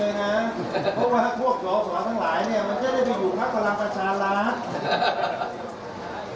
เพราะว่าพวกหล่อสวรรค์ทั้งหลายเนี่ยมันจะได้ไปอยู่มักรักษาราค